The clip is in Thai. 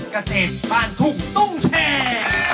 กระเศษบ้านถุงตุ้งแชร์